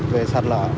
về sạt lở